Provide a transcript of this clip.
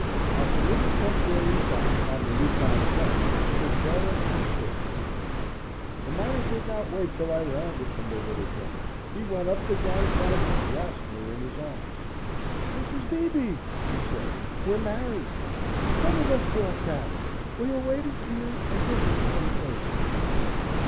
At the little temporary dock on the Yukon's bank, stood Bera and Swiftwater. The miner did not wait till I landed from the little boat. He went up the gang plank and grasped me in his arms. "Mrs. Beebe," he said, "we're married. Come with us to our cabin. We are waiting for you, and dinner is on the table."